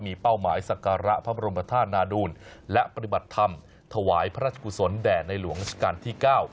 มีเป้าหมายสักการะพระบรมธาตุนาดูลและปฏิบัติธรรมถวายพระราชกุศลแด่ในหลวงราชการที่เก้า